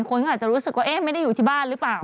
คนก็อาจจะรู้สึกว่าไม่ได้อยู่ที่บ้านหรือเปล่า